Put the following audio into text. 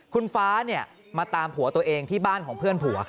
คุณฟ้ามาตามผัวตัวเองที่บ้านของเพื่อนผัว